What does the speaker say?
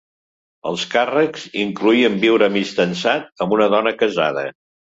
Els càrrecs incloïen viure amistançat amb una dona casada.